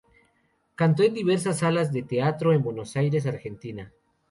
Canto en diversas salas de teatro en Buenos Aires, Argentina.